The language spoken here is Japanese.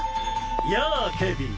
やあケビン。